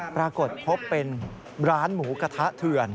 ปรากฏพบเป็นร้านหมูกระทะเถื่อน